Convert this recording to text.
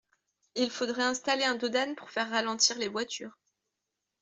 Il faudrait installer un dos d'âne pour faire ralentir les voitures.